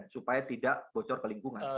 supaya tidak bocor ke lingkungan